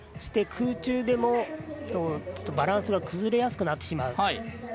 空中でもバランスが崩れやすくなってしまう。